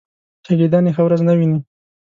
شاګردان یې ښه ورځ نه ویني.